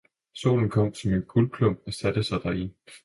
- Solen kom, som en Guldklump, og satte sig deri.